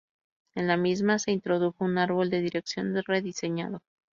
En la misma se introdujo un árbol de dirección rediseñado.